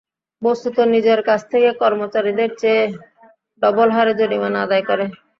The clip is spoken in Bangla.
বস্তুত নিজের কাছ থেকে কর্মচারীদের চেয়ে ডবল হারে জরিমানা আদায় করে।